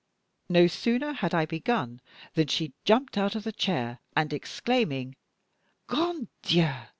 No sooner had I begun than she jumped out of the chair, and exclaiming, "_Grand Dieu!